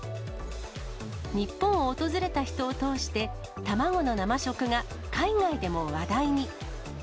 日本を訪れた人を通して、卵の生食が海外でも話題に。